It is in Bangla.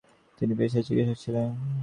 তিনি পেশায় চিকিৎসক ছিলেন।